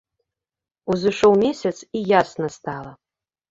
Узышоў месяц, і ясна стала.